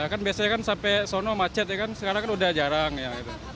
kan biasanya kan sampai sono macet ya kan sekarang kan udah jarang ya